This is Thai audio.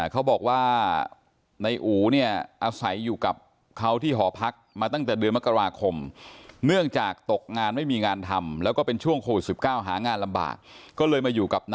เค้าบอกว่านายอูเนี่ยอาศัยอยู่กับเขาที่ห่อพักมาตั้งแต่เดือนมกราคม